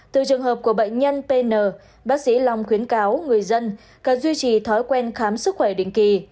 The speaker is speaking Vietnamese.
từ trường hợp của bệnh nhân pn bác sĩ long khuyến cáo người dân cần duy trì thói quen khám sức khỏe định kỳ